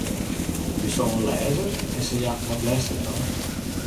Bisto in lêzer? En sa ja, wat lêsto dan?